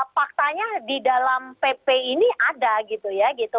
faktanya di dalam pp ini ada gitu ya gitu